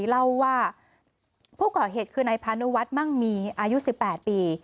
เล่าว่าผู้ก่อเหตุคือนายพานุวัฒน์มั่งมีอายุ๑๘ปี